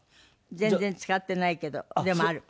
全然使ってないけどでもある。